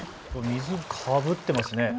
水かぶってますね。